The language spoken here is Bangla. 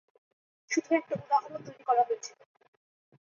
শুধু একটা উদাহরণ তৈরি করা হয়েছিল।